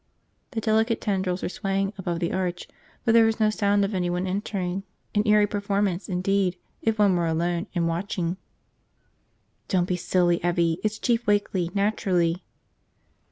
The delicate tendrils were swaying above the arch but there was no sound of anyone entering, an eerie performance indeed if one were alone, and watching. "Don't be so silly, Evvie! It's Chief Wakeley, naturally."